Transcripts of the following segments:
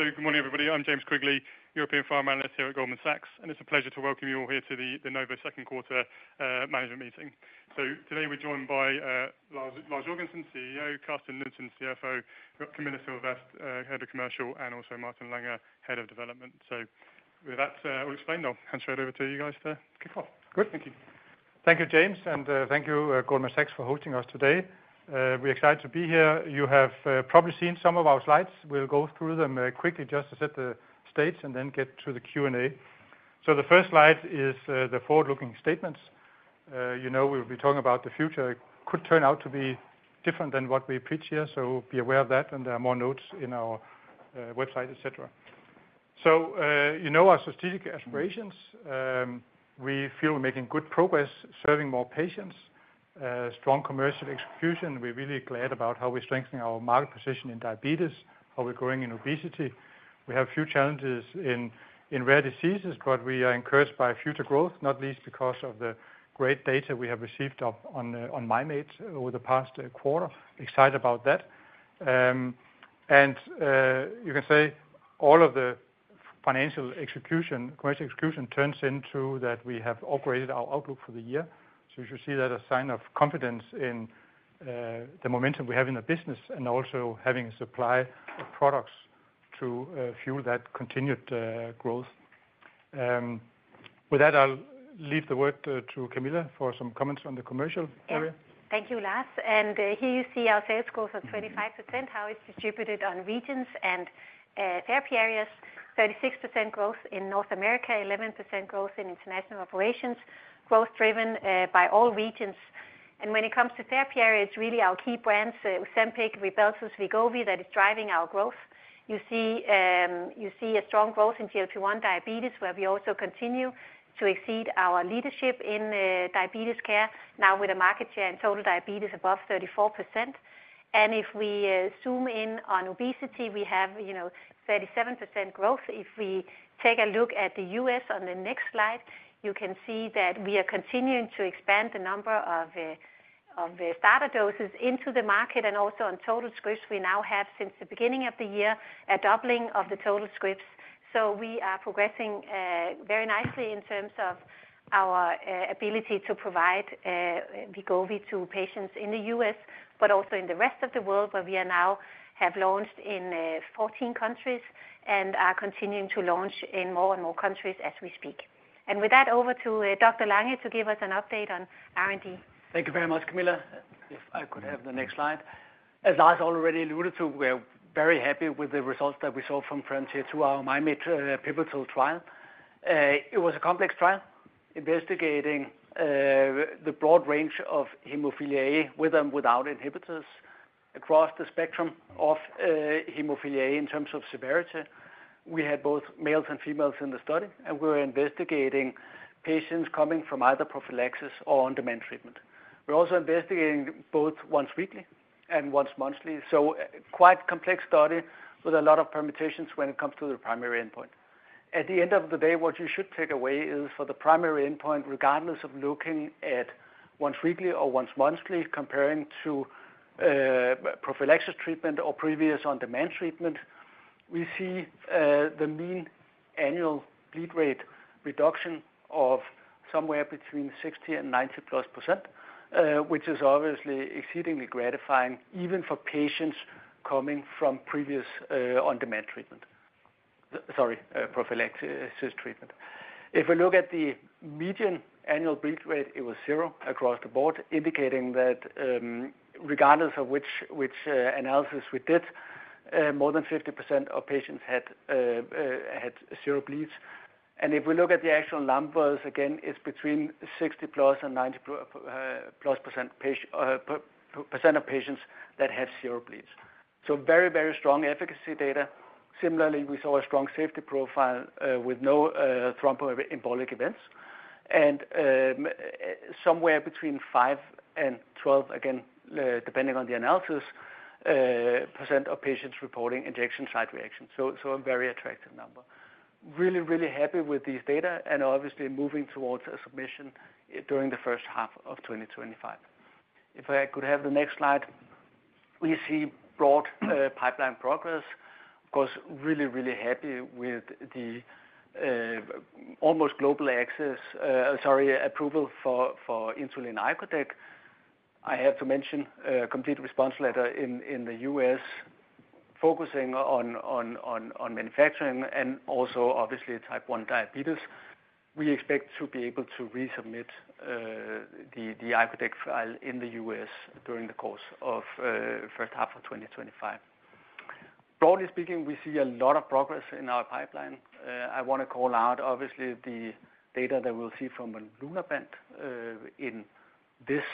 Good morning, everybody. I'm James Quigley, European Pharma Analyst here at Goldman Sachs, and it's a pleasure to welcome you all here to the Novo second quarter management meeting. Today we're joined by Lars Jørgensen, CEO, Karsten Knudsen, CFO, Camilla Sylvest, Head of Commercial, and also Martin Lange, Head of Development. With that all explained, I'll hand straight over to you guys to kick off. Great, thank you. Thank you, James, and thank you, Goldman Sachs, for hosting us today. We're excited to be here. You have probably seen some of our slides. We'll go through them quickly just to set the stage and then get to the Q&A. So the first slide is the forward-looking statements. You know, we'll be talking about the future, could turn out to be different than what we pitch here, so be aware of that, and there are more notes in our website, et cetera. So you know our strategic aspirations. We feel we're making good progress serving more patients, strong commercial execution. We're really glad about how we're strengthening our market position in diabetes, how we're growing in obesity. We have a few challenges in rare diseases, but we are encouraged by future growth, not least because of the great data we have received upon Mim8 over the past quarter. Excited about that. And you can say all of the financial execution, commercial execution, turns into that we have upgraded our outlook for the year. So you should see that a sign of confidence in the momentum we have in the business and also having supply of products to fuel that continued growth. With that, I'll leave the word to Camilla for some comments on the commercial area. Yeah. Thank you, Lars. Here you see our sales growth of 25%, how it's distributed on regions and therapy areas, 36% growth in North America, 11% growth in international operations, growth driven by all regions. When it comes to therapy areas, really our key brands, so Ozempic, Rybelsus, Wegovy, that is driving our growth. You see a strong growth in GLP-1 diabetes, where we also continue to exceed our leadership in diabetes care, now with a market share in total diabetes above 34%. If we zoom in on obesity, we have, you know, 37% growth. If we take a look at the U.S. on the next slide, you can see that we are continuing to expand the number of the starter doses into the market and also on total scripts we now have since the beginning of the year, a doubling of the total scripts. So we are progressing very nicely in terms of our ability to provide Wegovy to patients in the U.S., but also in the rest of the world, where we are now have launched in 14 countries and are continuing to launch in more and more countries as we speak. And with that, over to Dr. Lange to give us an update on R&D. Thank you very much, Camilla. If I could have the next slide. As Lars already alluded to, we're very happy with the results that we saw from phase II our Mim8 pivotal trial. It was a complex trial investigating the broad range of hemophilia with and without inhibitors across the spectrum of hemophilia in terms of severity. We had both males and females in the study, and we were investigating patients coming from either prophylaxis or on-demand treatment. We're also investigating both once weekly and once monthly, so quite complex study with a lot of permutations when it comes to the primary endpoint. At the end of the day, what you should take away is for the primary endpoint, regardless of looking at once weekly or once monthly, comparing to prophylaxis treatment or previous on-demand treatment, we see the mean annual bleed rate reduction of somewhere between 60% and 90+%, which is obviously exceedingly gratifying, even for patients coming from previous on-demand treatment. Sorry, prophylaxis treatment. If we look at the median annual bleed rate, it was zero across the board, indicating that regardless of which analysis we did, more than 50% of patients had zero bleeds. And if we look at the actual numbers, again, it's between 60+ and 90+% of patients that have zero bleeds. So very, very strong efficacy data. Similarly, we saw a strong safety profile, with no thromboembolic events, and somewhere between 5% and 12%, again, depending on the analysis, of patients reporting injection site reactions, so a very attractive number. Really, really happy with these data and obviously moving towards a submission during the first half of 2025. If I could have the next slide. We see broad pipeline progress. Of course, really, really happy with the almost global access, sorry, approval for insulin IcoSema. I have to mention a complete response letter in the U.S. focusing on manufacturing and also obviously type one diabetes. We expect to be able to resubmit the IcoSema file in the U.S. during the course of first half of 2025. Broadly speaking, we see a lot of progress in our pipeline. I want to call out, obviously, the data that we'll see from Monlunabant, in this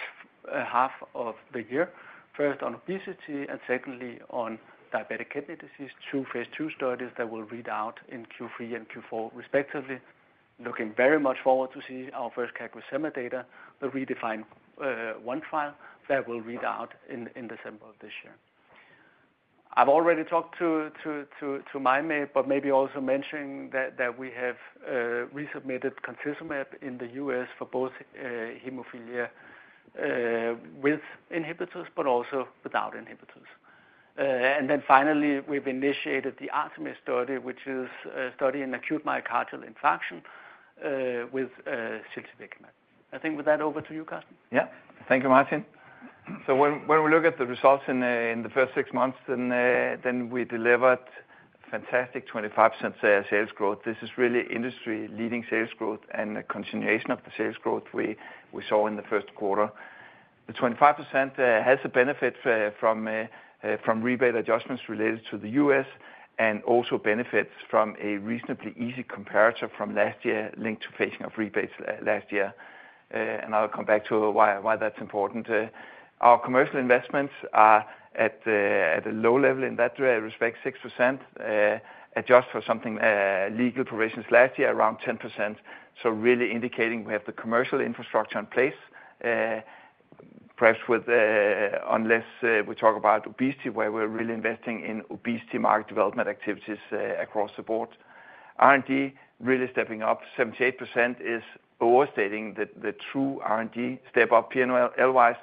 half of the year. First on obesity and secondly on diabetic kidney disease, two phase II studies that will read out in Q3 and Q4 respectively. Looking very much forward to see our first CagriSema data, the REDEFINE 1 trial that will read out in December of this year. I've already talked to Mim8, but maybe also mentioning that we have resubmitted Concizumab in the US for both, hemophilia with inhibitors, but also without inhibitors. And then finally, we've initiated the Artemis study, which is a study in acute myocardial infarction, with ziltivekimab. I think with that, over to you, Karsten. Yeah. Thank you, Martin. So when we look at the results in the first six months, then we delivered fantastic 25% sales growth. This is really industry-leading sales growth and a continuation of the sales growth we saw in the first quarter. The 25% has a benefit from rebate adjustments related to the U.S., and also benefits from a reasonably easy comparator from last year linked to phasing of rebates last year. And I'll come back to why that's important. Our commercial investments are at a low level in that respect, 6%, adjusted for something legal provisions last year, around 10%. So really indicating we have the commercial infrastructure in place, perhaps with unless we talk about obesity, where we're really investing in obesity market development activities across the board. R&D really stepping up, 78% is overstating the true R&D step up P&L-wise,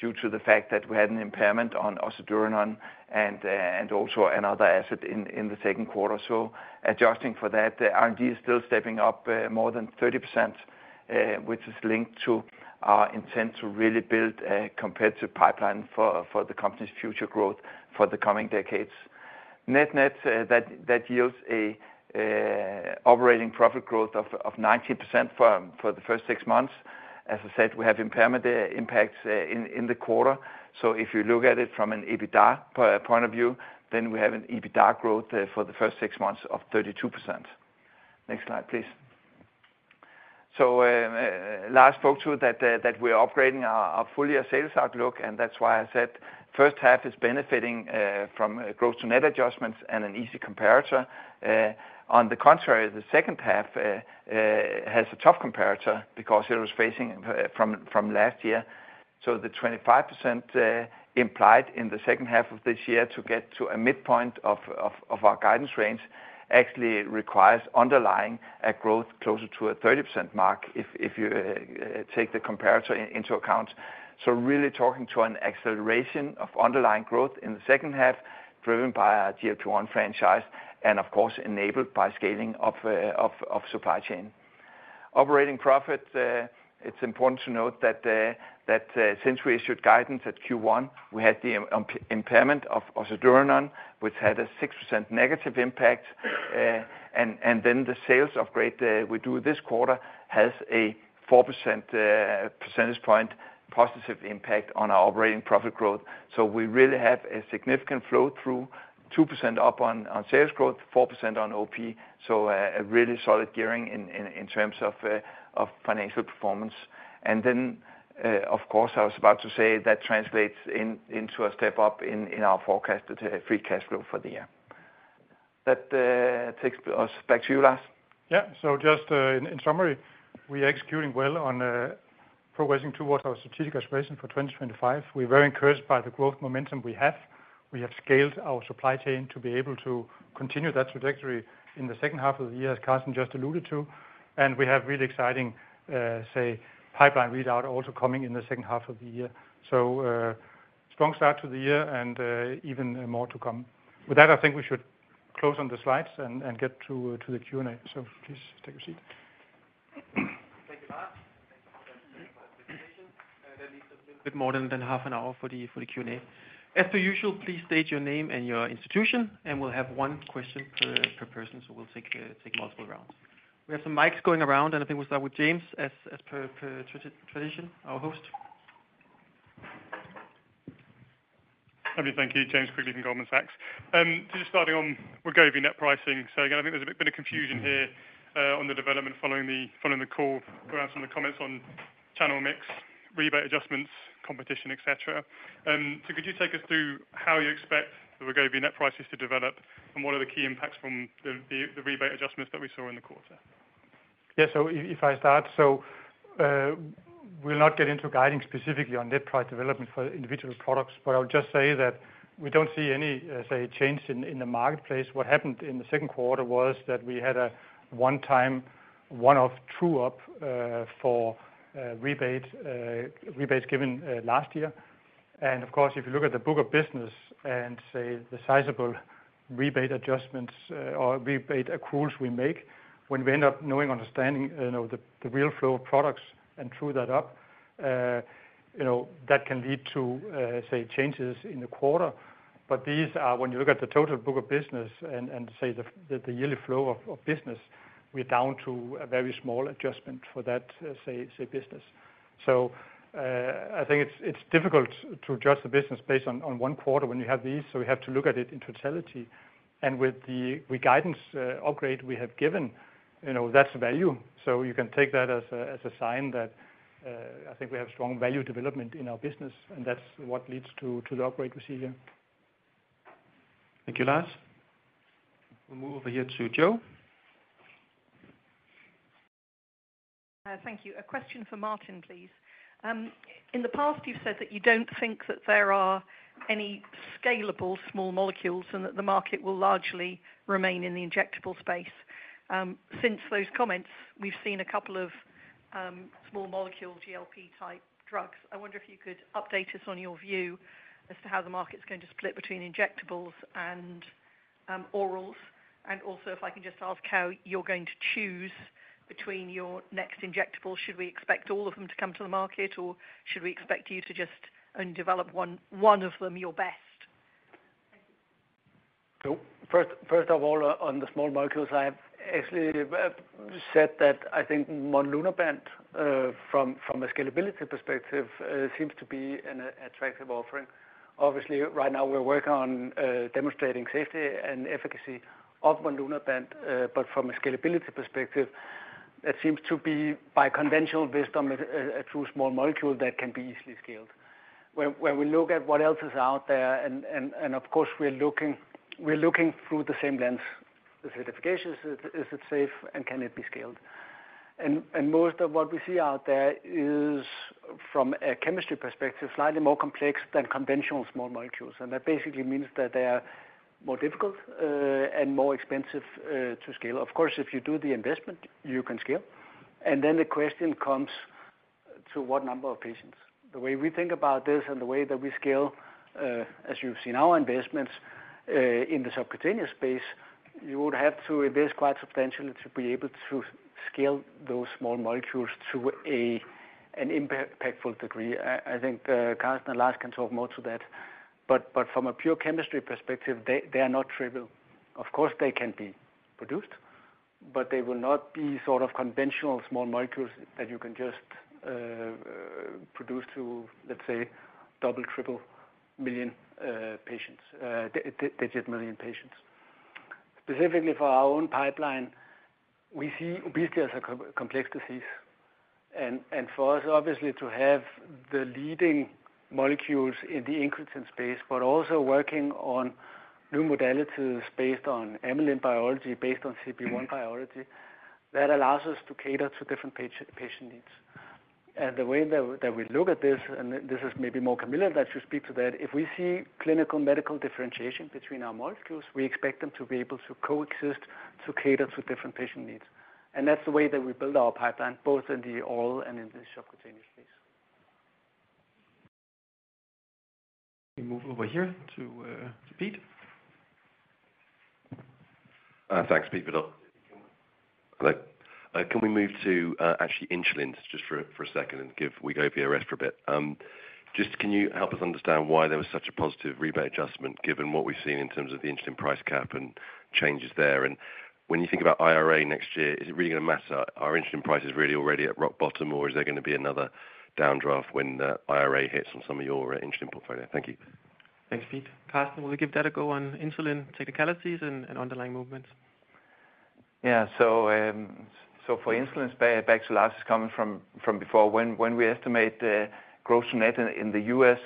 due to the fact that we had an impairment on ocedurenone and also another asset in the second quarter. So adjusting for that, the R&D is still stepping up more than 30%, which is linked to our intent to really build a competitive pipeline for the company's future growth for the coming decades. Net-net, that yields an operating profit growth of 19% for the first six months. As I said, we have impairment impacts in the quarter, so if you look at it from an EBITDA perspective, then we have an EBITDA growth for the first six months of 32%. Next slide, please. So, Lars spoke to that, we're upgrading our full year sales outlook, and that's why I said first half is benefiting from growth to net adjustments and an easy comparator. On the contrary, the second half has a tough comparator because it was facing from last year. So the 25% implied in the second half of this year to get to a midpoint of our guidance range actually requires underlying growth closer to a 30% mark if you take the comparator into account. So really talking to an acceleration of underlying growth in the second half, driven by our GLP-1 franchise, and of course, enabled by scaling of supply chain. Operating profit, it's important to note that since we issued guidance at Q1, we had the impairment of Ozempic, which had a 6% negative impact. And then the sales upgrade we do this quarter has a 4% point positive impact on our operating profit growth. So we really have a significant flow-through, 2% up on sales growth, 4% on OP, so a really solid gearing in terms of financial performance. And then, of course, I was about to say that translates into a step up in our forecast to free cash flow for the year. That takes us back to you, Lars. Yeah. So just, in summary, we are executing well on progressing towards our strategic aspiration for 2025. We're very encouraged by the growth momentum we have. We have scaled our supply chain to be able to continue that trajectory in the second half of the year, as Karsten just alluded to, and we have really exciting, say, pipeline readout also coming in the second half of the year. So, strong start to the year, and even more to come. With that, I think we should close on the slides and get to the Q&A. So please take a seat. Thank you, Lars. Thank you for the presentation. And that leaves us with more than half an hour for the Q&A. As per usual, please state your name and your institution, and we'll have one question per person, so we'll take multiple rounds. We have some mics going around, and I think we'll start with James as per tradition, our host. Hi there, thank you. James Quigley from Goldman Sachs. Just starting on Wegovy net pricing. So again, I think there's a bit of confusion here on the development following the call, perhaps on the comments on channel mix, rebate adjustments, competition, et cetera. So could you take us through how you expect the Wegovy net prices to develop, and what are the key impacts from the rebate adjustments that we saw in the quarter? Yeah, so if I start, so, we'll not get into guiding specifically on net price development for individual products, but I'll just say that we don't see any, say, change in the marketplace. What happened in the second quarter was that we had a one-time, one-off true-up for rebate rebates given last year. And of course, if you look at the book of business and, say, the sizable rebate adjustments or rebate accruals we make, when we end up knowing, understanding, you know, the real flow of products and true that up, you know, that can lead to, say, changes in the quarter. But these are, when you look at the total book of business and say the yearly flow of business, we're down to a very small adjustment for that say business. So, I think it's difficult to judge the business based on one quarter when you have these, so we have to look at it in totality. And with the guidance upgrade we have given, you know, that's value. So you can take that as a sign that, I think we have strong value development in our business, and that's what leads to the upgrade we see here. Thank you, Lars. We'll move over here to Jo. Thank you. A question for Martin, please. In the past, you've said that you don't think that there are any scalable small molecules and that the market will largely remain in the injectable space. Since those comments, we've seen a couple of small molecule GLP type drugs. I wonder if you could update us on your view as to how the market's going to split between injectables and orals? And also, if I can just ask how you're going to choose between your next injectable. Should we expect all of them to come to the market, or should we expect you to just only develop one of them your best? So first of all, on the small molecules, I have actually said that I think Monlunabant from a scalability perspective seems to be an attractive offering. Obviously, right now, we're working on demonstrating safety and efficacy of Monlunabant, but from a scalability perspective, it seems to be by conventional wisdom a true small molecule that can be easily scaled. When we look at what else is out there, and of course, we're looking through the same lens: the certifications, is it safe, and can it be scaled? And most of what we see out there is, from a chemistry perspective, slightly more complex than conventional small molecules. And that basically means that they are more difficult and more expensive to scale. Of course, if you do the investment, you can scale. Then the question comes to what number of patients? The way we think about this and the way that we scale, as you've seen our investments, in the subcutaneous space, you would have to invest quite substantially to be able to scale those small molecules to an impactful degree. I think Carsten and Lars can talk more to that, but from a pure chemistry perspective, they are not trivial. Of course, they can be produced, but they will not be sort of conventional small molecules that you can just produce to, let's say, double or triple million patients, double-digit million patients. Specifically for our own pipeline, we see obesity as a complex disease, and for us, obviously, to have the leading molecules in the incretin space, but also working on new modalities based on amylin biology, based on CB1 biology, that allows us to cater to different patient needs. And the way that we look at this, and this is maybe more Camilla, that should speak to that, if we see clinical medical differentiation between our molecules, we expect them to be able to coexist, to cater to different patient needs. And that's the way that we build our pipeline, both in the oral and in the subcutaneous space. We move over here to Pete. Thanks, Pete Verdult. Hello. Can we move to, actually insulin just for, for a second and give Wegovy a rest for a bit? Just can you help us understand why there was such a positive rebate adjustment, given what we've seen in terms of the insulin price cap and changes there? And when you think about IRA next year, is it really gonna matter, are insulin prices really already at rock bottom, or is there gonna be another downdraft when the IRA hits on some of your insulin portfolio? Thank you. Thanks, Pete. Karsten, will you give that a go on insulin technicalities and underlying movements? Yeah. So, for insulin, back to Lars is coming from from before, when we estimate the gross net in the U.S.,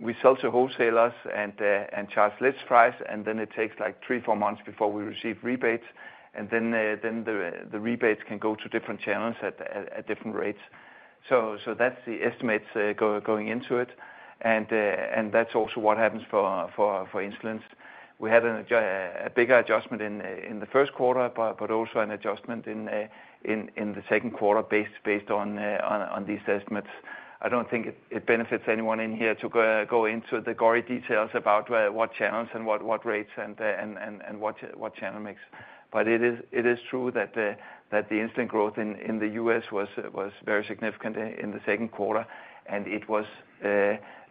we sell to wholesalers and charge list price, and then it takes, like, three to four months before we receive rebates. And then, the rebates can go to different channels at different rates. So, that's the estimates going into it, and that's also what happens for instance. We had a bigger adjustment in the first quarter, but also an adjustment in the second quarter, based on these estimates. I don't think it benefits anyone in here to go into the gory details about where, what channels and what rates, and what channel mix. But it is true that the insulin growth in the U.S. was very significant in the second quarter, and it was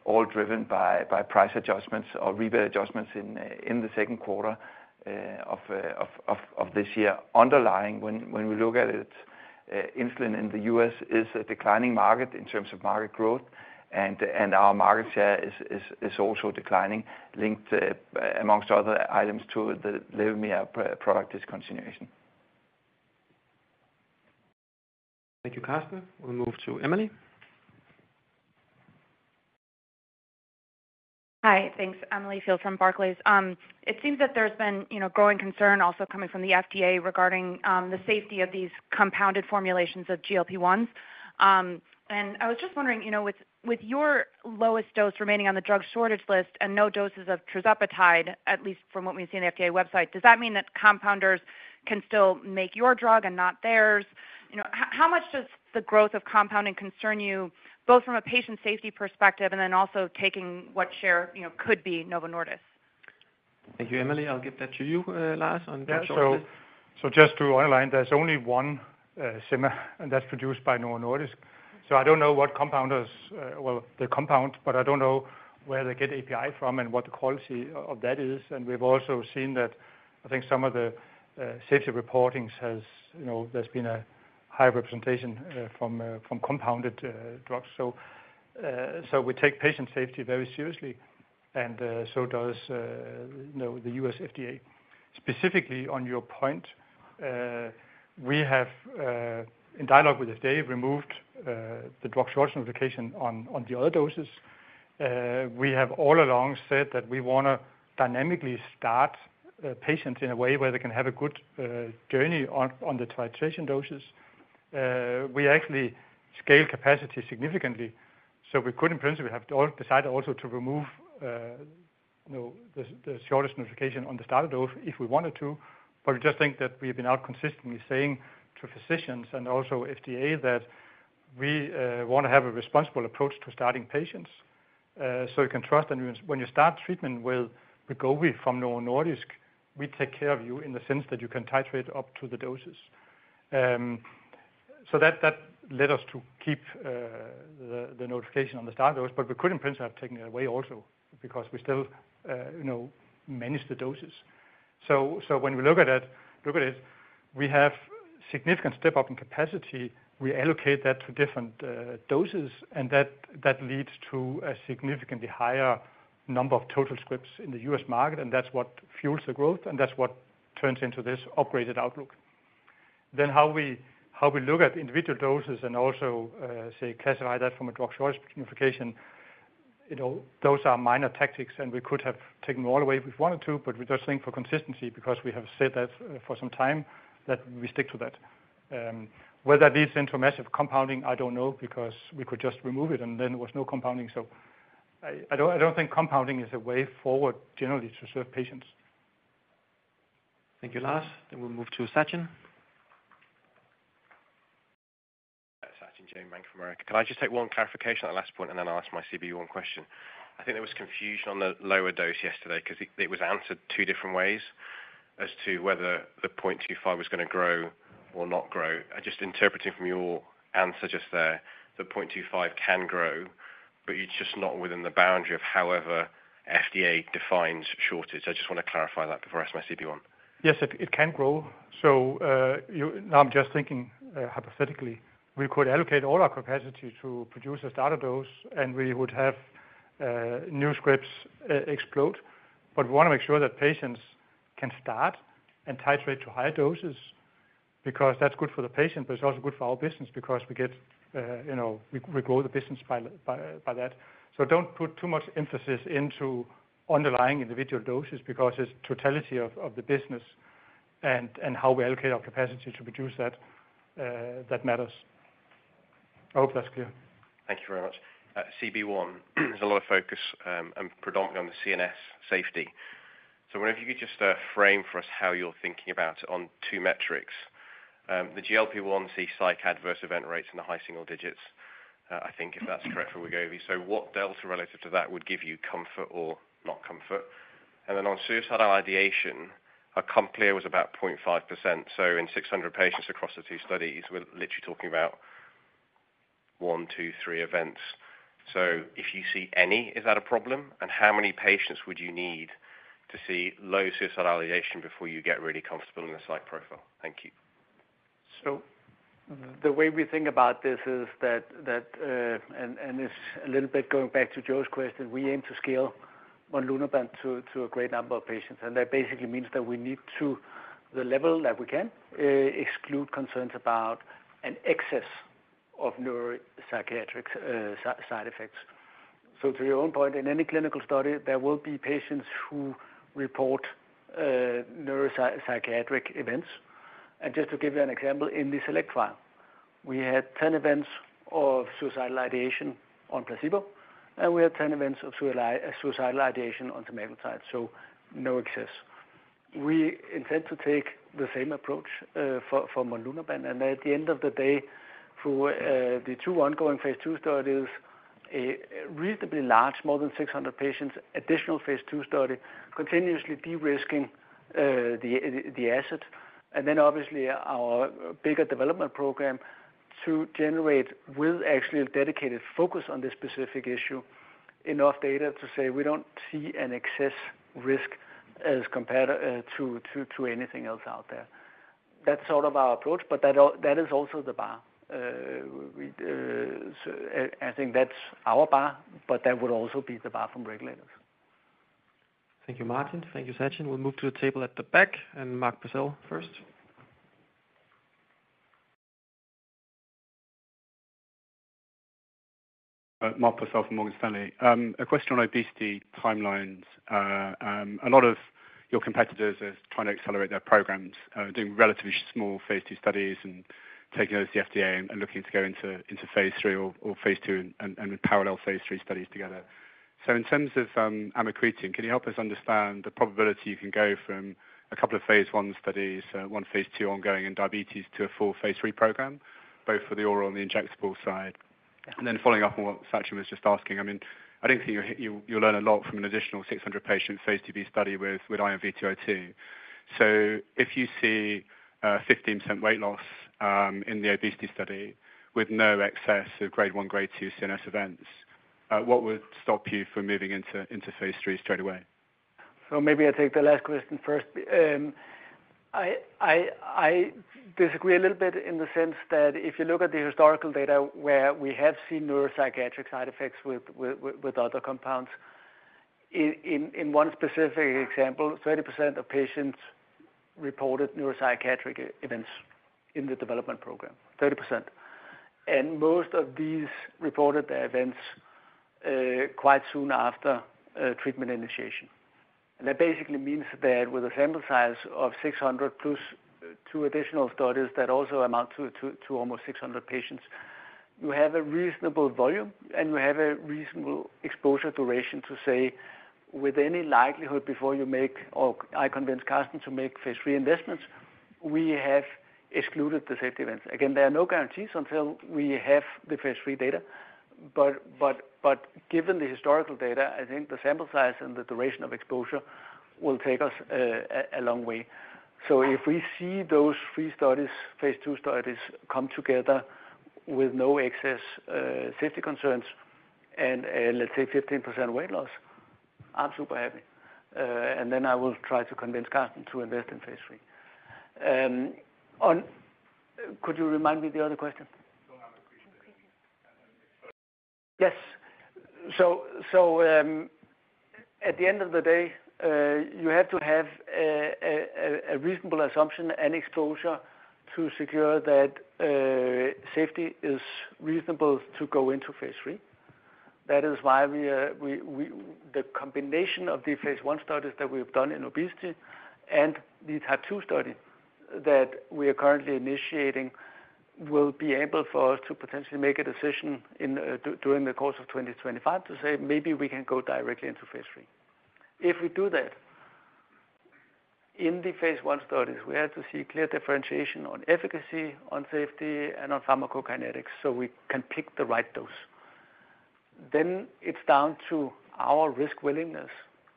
all driven by price adjustments or rebate adjustments in the second quarter of this year. Underlying, when we look at it, insulin in the U.S. is a declining market in terms of market growth, and our market share is also declining, linked amongst other items to the Levemir product discontinuation. Thank you, Karsten. We'll move to Emily. Hi. Thanks, Emily Field from Barclays. It seems that there's been, you know, growing concern also coming from the FDA regarding the safety of these compounded formulations of GLP-1s. And I was just wondering, you know, with, with your lowest dose remaining on the drug shortage list and no doses of tirzepatide, at least from what we've seen on the FDA website, does that mean that compounders can still make your drug and not theirs? You know, how much does the growth of compounding concern you, both from a patient safety perspective and then also taking what share, you know, could be Novo Nordisk? Thank you, Emily. I'll give that to you, Lars, on that shortage. Yeah. So just to outline, there's only one sema, and that's produced by Novo Nordisk. So I don't know what compounders, well, they compound, but I don't know where they get API from and what the quality of that is. And we've also seen that, I think some of the safety reportings has, you know, there's been a high representation from compounded drugs. So we take patient safety very seriously, and so does, you know, the U.S. FDA. Specifically, on your point, we have in dialogue with the FDA, removed the drug shortage notification on the other doses. We have all along said that we wanna dynamically start patients in a way where they can have a good journey on the titration doses. We actually scale capacity significantly, so we could, in principle, have to all decide also to remove. You know, the shortest notification on the starter dose if we wanted to, but we just think that we've been out consistently saying to physicians and also FDA that we want to have a responsible approach to starting patients. So you can trust and when you start treatment with Wegovy from Novo Nordisk, we take care of you in the sense that you can titrate up to the doses. So that led us to keep the notification on the starter dose, but we could, in principle, have taken it away also, because we still, you know, manage the doses. So when we look at it, we have significant step up in capacity. We allocate that to different doses, and that leads to a significantly higher number of total scripts in the U.S. market, and that's what fuels the growth, and that's what turns into this upgraded outlook. Then how we look at individual doses and also say classify that from a drug choice notification, you know, those are minor tactics, and we could have taken them all away if we wanted to, but we just think for consistency, because we have said that for some time, that we stick to that. Whether that leads into massive compounding, I don't know, because we could just remove it, and then there was no compounding. So I don't think compounding is a way forward generally to serve patients. Thank you, Lars. Then we'll move to Sachin. Sachin Jain, Bank of America. Can I just take one clarification on the last point, and then I'll ask my CB1 question? I think there was confusion on the lower dose yesterday, 'cause it, it was answered two different ways as to whether the 0.25 was gonna grow or not grow. I just interpreted from your answer just there, the 0.25 can grow, but it's just not within the boundary of however FDA defines shortage. I just wanna clarify that before I ask my CB1. Yes, it can grow. So, now, I'm just thinking, hypothetically, we could allocate all our capacity to produce a starter dose, and we would have new scripts explode, but we wanna make sure that patients can start and titrate to higher doses because that's good for the patient, but it's also good for our business because we get, you know, we grow the business by that. So don't put too much emphasis into underlying individual doses, because it's totality of the business and how we allocate our capacity to produce that, that matters. I hope that's clear. Thank you very much. CB1, there's a lot of focus, and predominantly on the CNS safety. So I wonder if you could just frame for us how you're thinking about it on two metrics. The GLP-1's psych adverse event rates in the high single digits, I think if that's correct for Wegovy. So what delta relative to that would give you comfort or not comfort? And then on suicidal ideation, our completer was about 0.5%, so in 600 patients across the two studies, we're literally talking about one, two, three events. So if you see any, is that a problem? And how many patients would you need to see low suicidal ideation before you get really comfortable in the psych profile? Thank you. So the way we think about this is that, and it's a little bit going back to Joe's question, we aim to scale Monlunabant to a great number of patients, and that basically means that we need to the level that we can exclude concerns about an excess of neuropsychiatric side effects. So to your own point, in any clinical study, there will be patients who report neuropsychiatric events. And just to give you an example, in the SELECT file, we had 10 events of suicidal ideation on placebo, and we had 10 events of suicidal ideation on semaglutide, so no excess. We intend to take the same approach for Monlunabant, and at the end of the day, through the two ongoing phase II studies, a reasonably large, more than 600 patients, additional phase II study, continuously de-risking the asset. And then obviously our bigger development program to generate with actually a dedicated focus on this specific issue, enough data to say we don't see an excess risk as compared to anything else out there. That's sort of our approach, but that is also the bar. So I think that's our bar, but that would also be the bar from regulators. Thank you, Martin. Thank you, Sachin. We'll move to the table at the back, and Mark Purcell first. Mark Purcell from Morgan Stanley. A question on obesity timelines. A lot of your competitors are trying to accelerate their programs, doing relatively small phase II studies and taking those to the FDA and looking to go into phase III or phase II and parallel phase III studies together. So in terms of amycretin, can you help us understand the probability you can go from a couple of phase I studies, one phase II ongoing in diabetes to a full phase III program, both for the oral and the injectable side? And then following up on what Sachin was just asking, I mean, I don't think you learn a lot from an additional 600-patient phase IIb study with INV-202. So if you see a 15% weight loss in the obesity study with no excess of grade one, grade two CNS events, what would stop you from moving into phase III straight away? Maybe I take the last question first. I disagree a little bit in the sense that if you look at the historical data where we have seen neuropsychiatric side effects with other compounds, in one specific example, 30% of patients reported neuropsychiatric events in the development program, 30%. And most of these reported the events quite soon after treatment initiation. And that basically means that with a sample size of 600 plus two additional studies, that also amount to almost 600 patients, you have a reasonable volume, and you have a reasonable exposure duration to say, with any likelihood before you make, or I convince Carsten to make phase III investments, we have excluded the safety events. Again, there are no guarantees until we have the phase III data. But given the historical data, I think the sample size and the duration of exposure will take us a long way. So if we see those three studies, phase II studies come together with no excess safety concerns and, let's say 15% weight loss, I'm super happy. And then I will try to convince Karsten to invest in phase III. On- could you remind me the other question? Go ahead with increasing. Yes. So, at the end of the day, you have to have a reasonable assumption and exposure to secure that safety is reasonable to go into phase III. That is why we, the combination of the phase I studies that we've done in obesity, and these type II studies that we are currently initiating, will be able for us to potentially make a decision in, during the course of 2025, to say maybe we can go directly into phase III. If we do that, in the phase I studies, we have to see clear differentiation on efficacy, on safety, and on pharmacokinetics, so we can pick the right dose. Then it's down to our risk willingness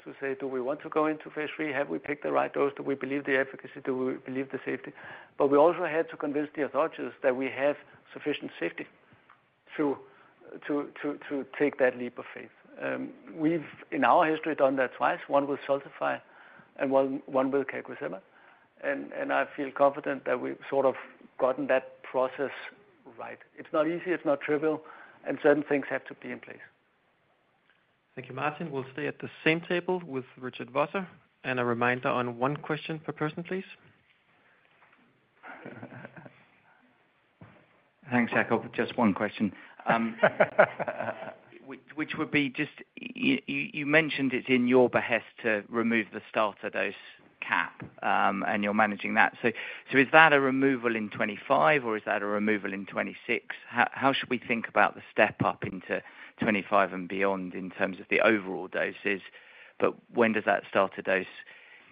to say: Do we want to go into phase III? Have we picked the right dose? Do we believe the efficacy? Do we believe the safety? But we also had to convince the authorities that we have sufficient safety to take that leap of faith. We've, in our history, done that twice, one with Xultophy and one with CagriSema, and I feel confident that we've sort of gotten that process right. It's not easy, it's not trivial, and certain things have to be in place. Thank you, Martin. We'll stay at the same table with Richard Vosser, and a reminder on one question per person, please. Thanks, Jacob. Just one question. Which would be just, you mentioned it's in your behest to remove the starter dose cap, and you're managing that. So, is that a removal in 2025, or is that a removal in 2026? How should we think about the step up into 2025 and beyond, in terms of the overall doses, but when does that starter dose...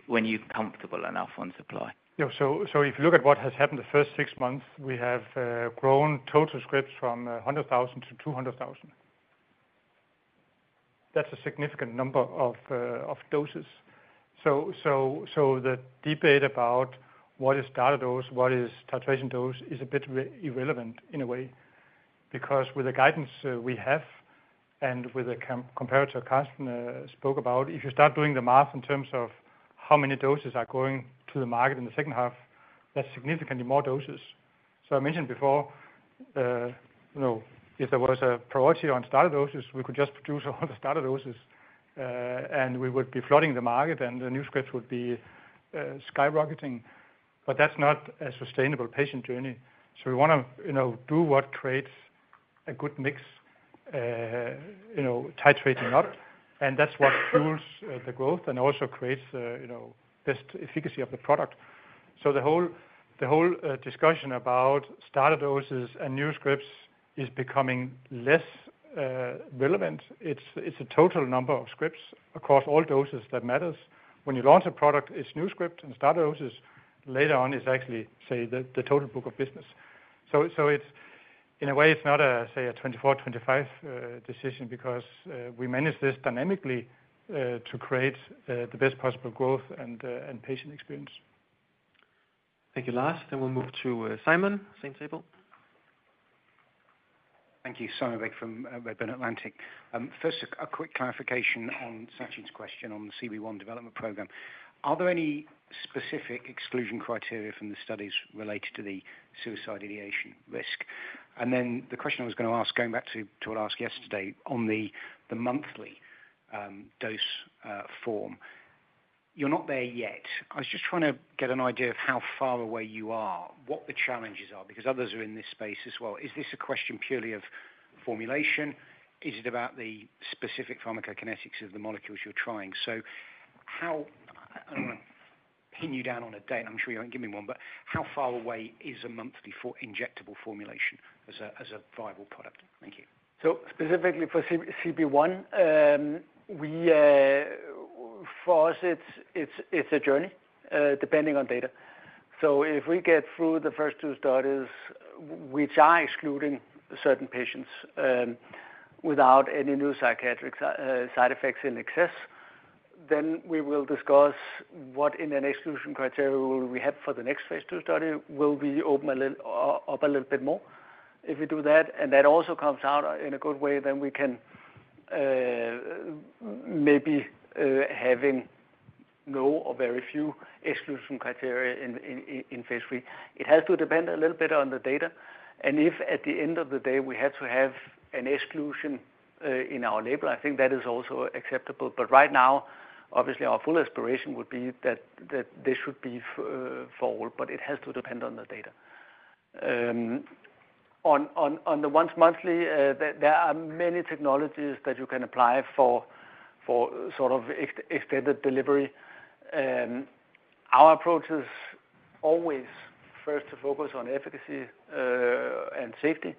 When are you comfortable enough on supply? Yeah. So if you look at what has happened the first six months, we have grown total scripts from 100,000 to 200,000. That's a significant number of doses. So the debate about what is starter dose, what is titration dose, is a bit irrelevant in a way, because with the guidance we have, and with the comparative Carsten spoke about, if you start doing the math in terms of how many doses are going to the market in the second half, that's significantly more doses. So I mentioned before, you know, if there was a priority on starter doses, we could just produce all the starter doses, and we would be flooding the market, and the new scripts would be skyrocketing, but that's not a sustainable patient journey. So we wanna, you know, do what creates a good mix, you know, titrating up, and that's what fuels the growth and also creates, you know, best efficacy of the product. So the whole discussion about starter doses and new scripts is becoming less relevant. It's a total number of scripts across all doses that matters. When you launch a product, it's new script and starter doses. Later on, it's actually, say, the total book of business. So it's, in a way, it's not a, say, a 2024, 2025 decision, because we manage this dynamically to create the best possible growth and patient experience. Thank you Lars, then we'll move to Simon, same table. Thank you. Simon Baker from Redburn Atlantic. First, a quick clarification on Sachin's question on the CB1 development program. Are there any specific exclusion criteria from the studies related to the suicide ideation risk? And then the question I was gonna ask, going back to what I asked yesterday, on the monthly dose form. You're not there yet. I was just trying to get an idea of how far away you are, what the challenges are, because others are in this space as well. Is this a question purely of formulation? Is it about the specific pharmacokinetics of the molecules you're trying? So how, I don't wanna pin you down on a date, I'm sure you won't give me one, but how far away is a monthly for injectable formulation as a viable product? Thank you. So specifically for CB1, we, for us, it's, it's, it's a journey, depending on data. So if we get through the first two studies, which are excluding certain patients, without any new psychiatric side effects in excess, then we will discuss what in an exclusion criteria will we have for the next phase II study. Will we open a little, up a little bit more? If we do that, and that also comes out in a good way, then we can, maybe, having no or very few exclusion criteria in, in, in phase III. It has to depend a little bit on the data, and if at the end of the day, we had to have an exclusion, in our label, I think that is also acceptable. But right now, obviously, our full aspiration would be that, that this should be for all, but it has to depend on the data. On the once monthly, there are many technologies that you can apply for, for sort of extended delivery. Our approach is always first to focus on efficacy and safety.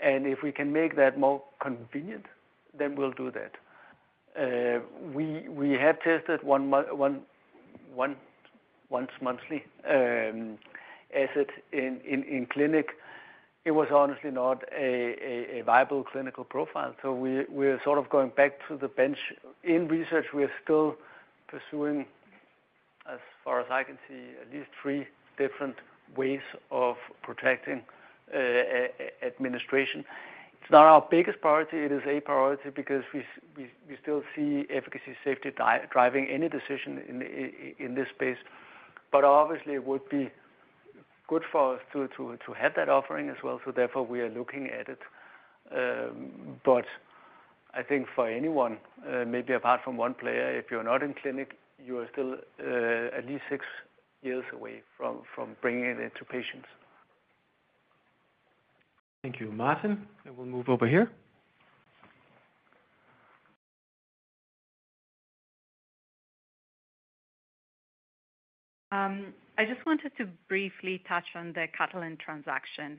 And if we can make that more convenient, then we'll do that. We have tested one once monthly asset in clinic. It was honestly not a viable clinical profile, so we are sort of going back to the bench. In research, we are still pursuing, as far as I can see, at least three different ways of protecting administration. It's not our biggest priority. It is a priority because we still see efficacy, safety driving any decision in this space. But obviously it would be good for us to have that offering as well, so therefore we are looking at it. But I think for anyone, maybe apart from one player, if you're not in clinic, you are still at least six years away from bringing it into patients. Thank you, Martin. We'll move over here. I just wanted to briefly touch on the Catalent transaction.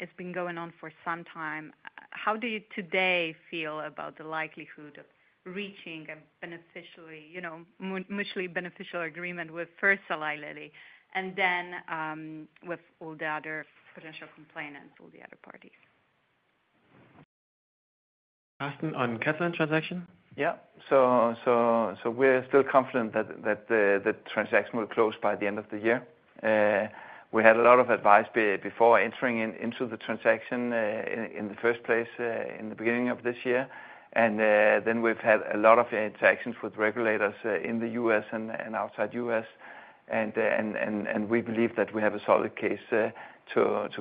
It's been going on for some time. How do you today feel about the likelihood of reaching a beneficially, you know, mutually beneficial agreement with first Eli Lilly, and then, with all the other potential complainants, all the other parties? Karsten, on Catalent transaction? Yeah. So we're still confident that the transaction will close by the end of the year. We had a lot of advice before entering into the transaction, in the first place, in the beginning of this year. And then we've had a lot of interactions with regulators in the U.S. and outside the U.S., and we believe that we have a solid case to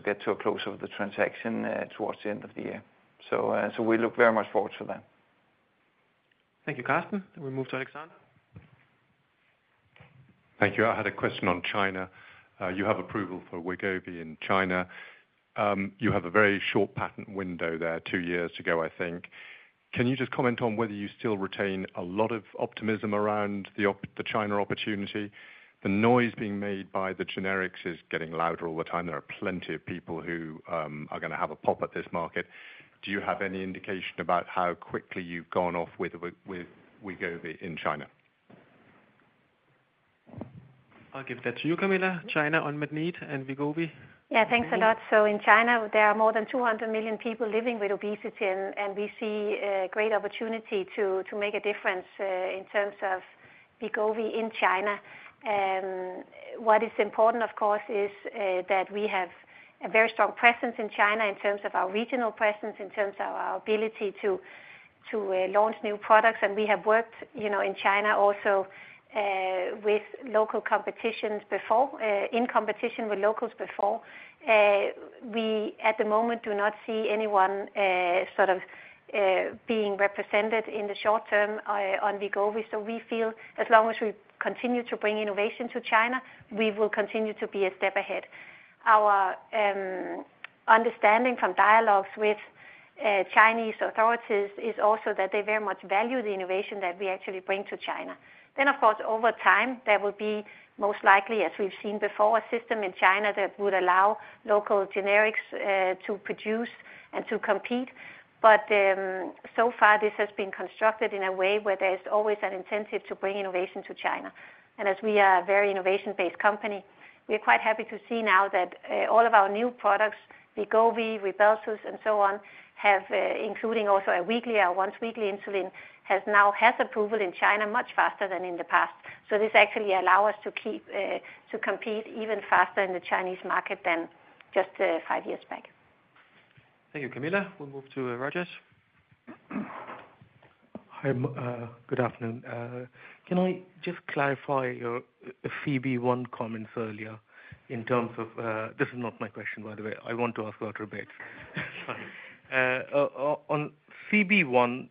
get to a close of the transaction towards the end of the year. So we look very much forward to that. Thank you, Karsten. We move to Alexander. Thank you. I had a question on China. You have approval for Wegovy in China. You have a very short patent window there, two years to go, I think. Can you just comment on whether you still retain a lot of optimism around the China opportunity? The noise being made by the generics is getting louder all the time. There are plenty of people who are gonna have a pop at this market. Do you have any indication about how quickly you've gone off with Wegovy in China? I'll give that to you, Camilla, China on Mounjaro and Wegovy. Yeah, thanks a lot. So in China, there are more than 200 million people living with obesity, and we see a great opportunity to make a difference in terms of Wegovy in China. What is important, of course, is that we have a very strong presence in China in terms of our regional presence, in terms of our ability to launch new products. And we have worked, you know, in China also with local competitors before, in competition with locals before. We, at the moment, do not see anyone sort of being represented in the short term on Wegovy. So we feel as long as we continue to bring innovation to China, we will continue to be a step ahead. Our understanding from dialogues with Chinese authorities is also that they very much value the innovation that we actually bring to China. Then, of course, over time, there will be most likely, as we've seen before, a system in China that would allow local generics to produce and to compete. But so far this has been constructed in a way where there is always an incentive to bring innovation to China. And as we are a very innovation-based company, we are quite happy to see now that all of our new products, Wegovy, Rybelsus, and so on, have including also a weekly, a once-weekly insulin, has now had approval in China much faster than in the past. So this actually allow us to keep to compete even faster in the Chinese market than just five years back. Thank you, Camilla. We'll move to, Rajesh. Hi, good afternoon. Can I just clarify your CB1 comments earlier in terms of, this is not my question, by the way. I want to ask about rebates. On CB1,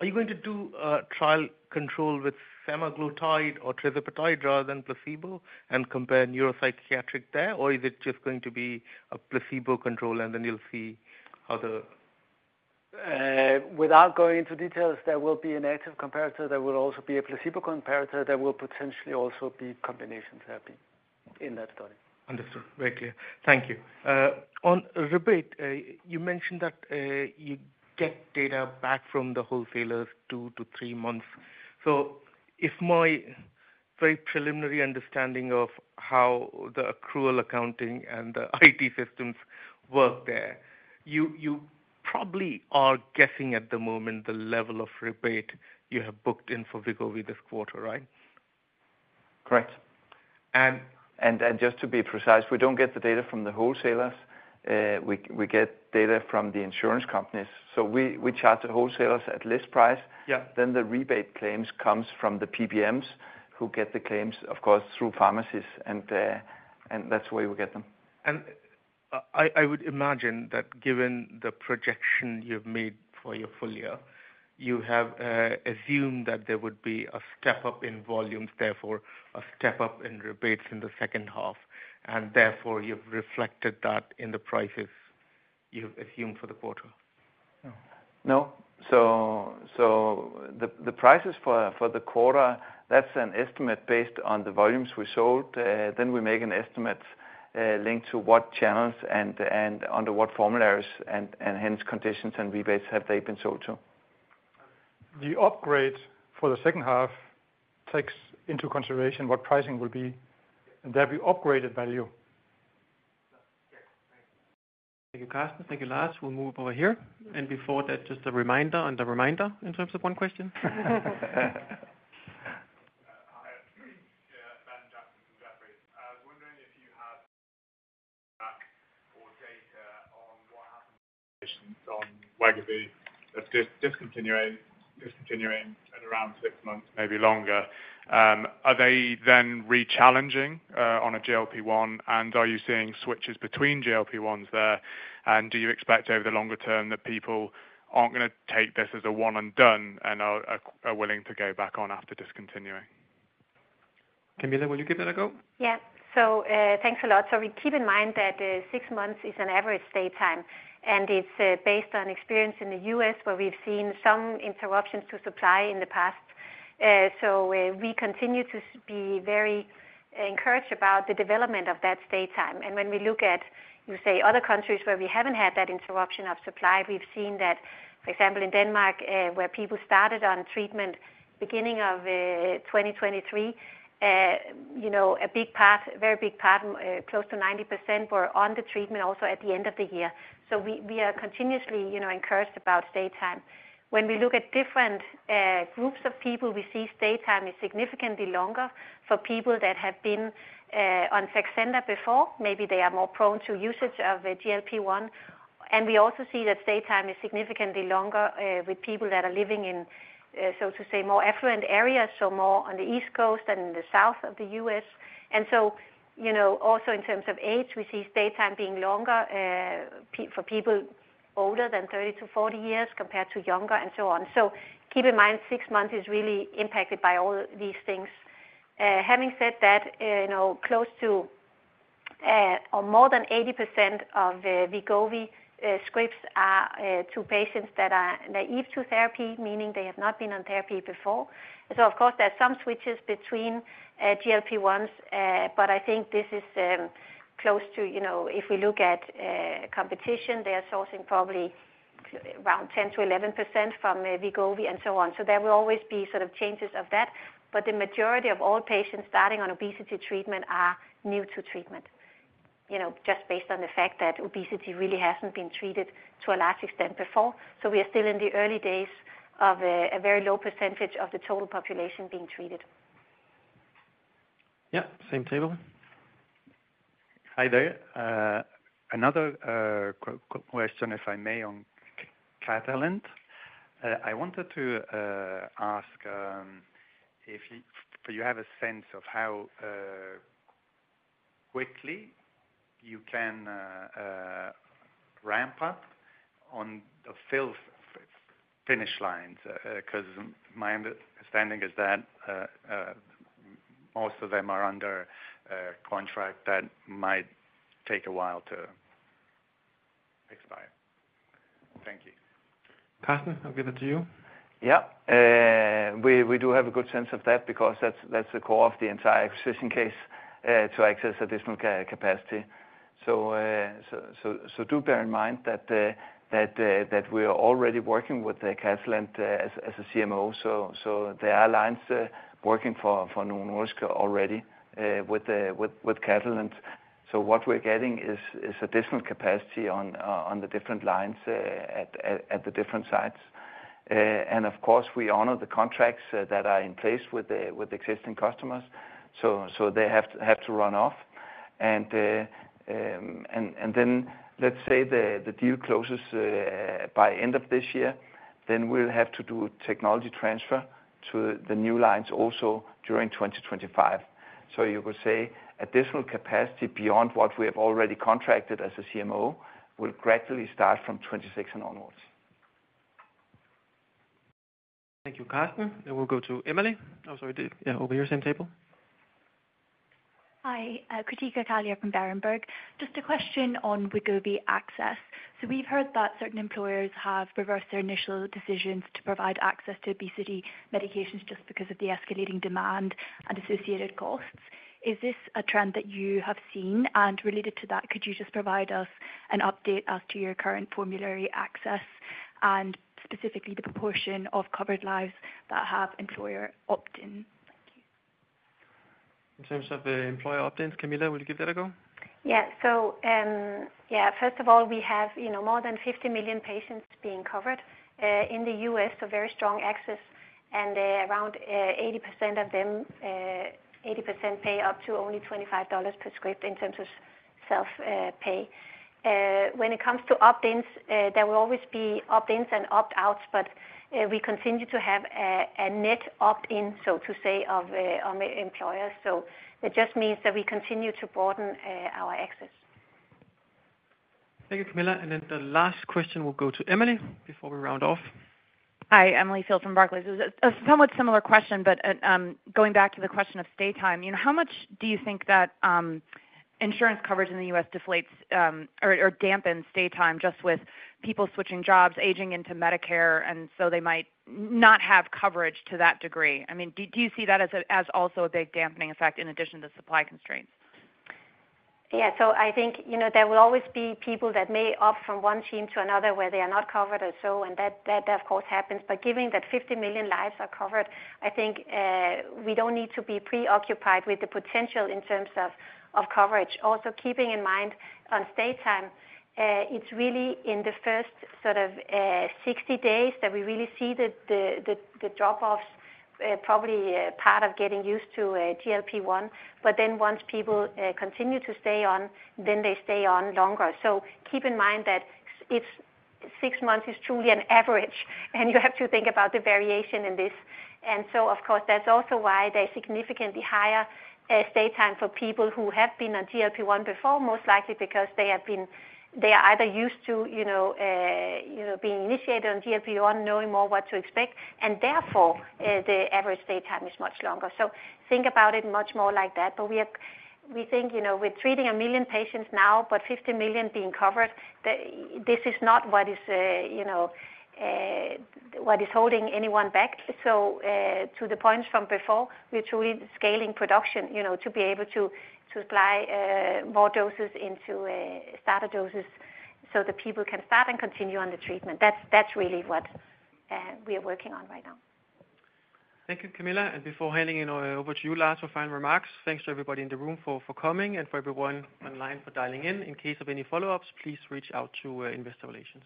are you going to do a trial control with semaglutide or tirzepatide rather than placebo and compare neuropsychiatric there? Or is it just going to be a placebo control, and then you'll see other. Without going into details, there will be an active comparator, there will also be a placebo comparator, there will potentially also be combination therapy in that study. Understood. Very clear. Thank you. On rebate, you mentioned that you get data back from the wholesalers two to three months. So if my very preliminary understanding of how the accrual accounting and the IT systems work there, you probably are guessing at the moment the level of rebate you have booked in for Wegovy this quarter, right? Correct. And just to be precise, we don't get the data from the wholesalers. We get data from the insurance companies. So we charge the wholesalers at list price. Then the rebate claims comes from the PBMs, who get the claims, of course, through pharmacies, and that's the way we get them. I would imagine that given the projection you've made for your full year, you have assumed that there would be a step-up in volumes, therefore a step-up in rebates in the second half, and therefore you've reflected that in the prices you've assumed for the quarter? No, so the prices for the quarter, that's an estimate based on the volumes we sold. Then we make an estimate linked to what channels and under what formularies, and hence conditions and rebates have they been sold to. The upgrade for the second half takes into consideration what pricing will be, and that we upgraded value. Thank you, Carsten. Thank you, Lars. We'll move over here. Before that, just a reminder and a reminder, in terms of one question. Hi, yeah, Ben Jackson from Jefferies. I was wondering if you had any data on what happened on Wegovy, of discontinuing at around six months, maybe longer. Are they then re-challenging on a GLP-1? And are you seeing switches between GLP-1s there? And do you expect over the longer term that people aren't gonna take this as a one and done, and are willing to go back on after discontinuing? Camilla, will you give that a go? Yeah. So, thanks a lot. So we keep in mind that six months is an average stay time, and it's based on experience in the U.S., where we've seen some interruptions to supply in the past. So, we continue to be very encouraged about the development of that stay time. And when we look at, you say, other countries where we haven't had that interruption of supply, we've seen that, for example, in Denmark, where people started on treatment beginning of 2023, you know, a big part, very big part, close to 90% were on the treatment also at the end of the year. So we, we are continuously, you know, encouraged about stay time. When we look at different groups of people, we see stay time is significantly longer for people that have been on Saxenda before. Maybe they are more prone to usage of a GLP-1. We also see that stay time is significantly longer with people that are living in, so to say, more affluent areas, so more on the East Coast than the South of the U.S. So, you know, also in terms of age, we see stay time being longer for people older than 30-40 years, compared to younger, and so on. Keep in mind, six months is really impacted by all these things. Having said that, you know, close to or more than 80% of Wegovy scripts are to patients that are naive to therapy, meaning they have not been on therapy before. So of course, there are some switches between GLP-1s, but I think this is close to, you know, if we look at competition, they are sourcing probably around 10%-11% from Wegovy, and so on. So there will always be sort of changes of that, but the majority of all patients starting on obesity treatment are new to treatment. You know, just based on the fact that obesity really hasn't been treated to a large extent before, so we are still in the early days of a very low percentage of the total population being treated. Yeah, same table. Hi there. Another question, if I may, on Catalent. I wanted to ask if you have a sense of how quickly you can ramp up on the fill-finish lines, 'cause my understanding is that most of them are under a contract that might take a while to expire. Thank you. Karsten, I'll give it to you. Yeah, we do have a good sense of that because that's the core of the entire decision case to access additional capacity. So, so do bear in mind that we are already working with the Catalent as a CMO. So there are lines working for Novo Nordisk already with Catalent. So what we're getting is additional capacity on the different lines at the different sites. And of course, we honor the contracts that are in place with the existing customers, so they have to run off. And then let's say the deal closes by end of this year, then we'll have to do technology transfer to the new lines also during 2025. So you could say additional capacity beyond what we have already contracted as a CMO will gradually start from 2026 and onwards. Thank you, Karsten. Then we'll go to Emily. Oh, sorry, yeah, over here, same table. Hi, Kritika Kalia from Berenberg. Just a question on Wegovy access. We've heard that certain employers have reversed their initial decisions to provide access to obesity medications just because of the escalating demand and associated costs. Is this a trend that you have seen? And related to that, could you just provide us an update as to your current formulary access, and specifically, the proportion of covered lives that have employer opt-in? Thank you. In terms of the employer opt-ins, Camilla, will you give that a go? Yeah. So, yeah, first of all, we have, you know, more than 50 million patients being covered in the U.S., so very strong access, and around 80% of them, 80% pay up to only $25 per script in terms of self-pay. When it comes to opt-ins, there will always be opt-ins and opt-outs, but we continue to have a net opt-in, so to say, of on the employers. So it just means that we continue to broaden our access. Thank you, Camilla. Then the last question will go to Emily, before we round off. Hi, Emily Field from Barclays. A somewhat similar question, but, going back to the question of stay time, you know, how much do you think that, insurance coverage in the U.S. deflates, or dampens stay time just with people switching jobs, aging into Medicare, and so they might not have coverage to that degree? I mean, do you see that as—as also a big dampening effect in addition to supply constraints? Yeah. So I think, you know, there will always be people that may opt from one team to another where they are not covered or so, and that of course happens. But given that 50 million lives are covered, I think we don't need to be preoccupied with the potential in terms of coverage. Also, keeping in mind on stay time, it's really in the first sort of 60 days that we really see the drop-offs, probably part of getting used to GLP-1. But then once people continue to stay on, then they stay on longer. So keep in mind that it's 6 months is truly an average, and you have to think about the variation in this. And so, of course, that's also why there's significantly higher stay time for people who have been on GLP-1 before, most likely because they have been—they are either used to, you know, you know, being initiated on GLP-1, knowing more what to expect, and therefore, the average stay time is much longer. So think about it much more like that. But we have—we think, you know, we're treating 1 million patients now, but 50 million being covered, the—this is not what is, you know, what is holding anyone back. So, to the point from before, we're truly scaling production, you know, to be able to, to supply, more doses into, starter doses so that people can start and continue on the treatment. That's, that's really what, we are working on right now. Thank you, Camilla. Before handing it over to you, Lars, for final remarks, thanks to everybody in the room for coming and for everyone online for dialing in. In case of any follow-ups, please reach out to investor relations.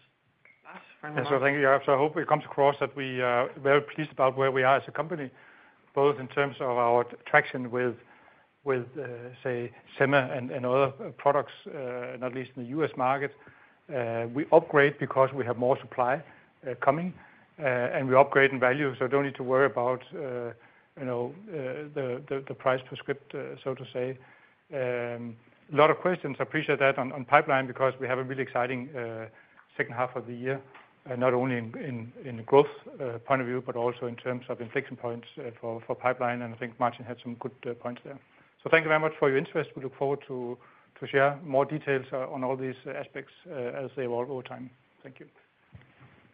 Lars, final remarks. So thank you. I hope it comes across that we are very pleased about where we are as a company, both in terms of our traction with, with, say, Sema and other products, not least in the U.S. market. We upgrade because we have more supply coming, and we upgrade in value, so don't need to worry about, you know, the price per script, so to say. A lot of questions, I appreciate that on pipeline, because we have a really exciting second half of the year, not only in the growth point of view, but also in terms of inflection points for pipeline, and I think Martin had some good points there. So thank you very much for your interest. We look forward to share more details on all these aspects, as they evolve over time. Thank you.